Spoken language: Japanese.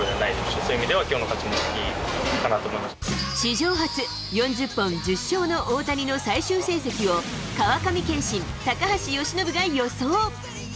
そういう意味ではきょうの勝ちも史上初、４０本、１０勝の大谷の最終成績を川上憲伸、高橋由伸が予想。